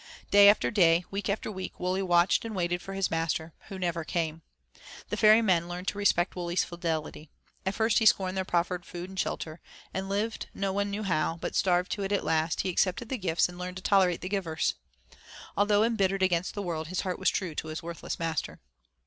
Day after day, week after week Wully watched and waited for his master, who never came. The ferry men learned to respect Wully's fidelity. At first he scorned their proffered food and shelter, and lived no one knew how, but starved to it at last, he accepted the gifts and learned to tolerate the givers. Although embittered against the world, his heart was true to his worthless master.